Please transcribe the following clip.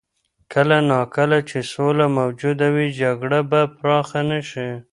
کله نا کله چې سوله موجوده وي، جګړه به پراخه نه شي.